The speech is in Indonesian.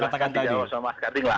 jangan jauh sama karting lah